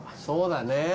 そうだね。